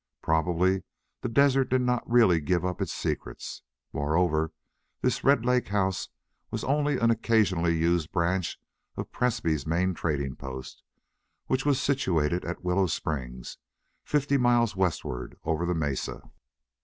Probably the desert did not readily give up its secrets. Moreover, this Red Lake house was only an occasionally used branch of Presbrey's main trading post, which was situated at Willow Springs, fifty miles westward over the mesa.